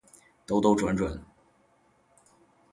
兜兜转转